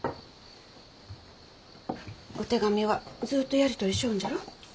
お手紙はずっとやり取りしょんじゃろ。